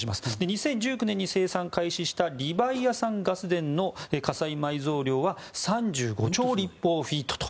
２０１９年に生産開始したリバイアサンガス田の可採埋蔵量は３５兆立方フィートと。